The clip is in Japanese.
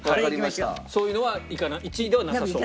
そういうのは１位ではなさそう？